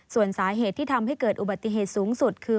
ส่วนสาเหตุที่ทำให้เกิดอุบัติเหตุสูงสุดคือ